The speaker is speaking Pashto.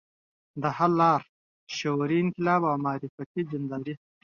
د حل لار: شعوري انقلاب او معرفتي دینداري